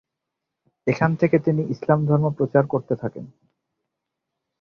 এখান থেকে তিনি ইসলাম ধর্ম প্রচার করতে থাকেন।